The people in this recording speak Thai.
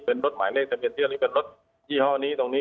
เป็นรถหมายเลขเป็นรถยี่ห้อนี้ตรงนี้